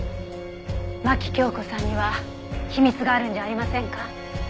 牧京子さんには秘密があるんじゃありませんか？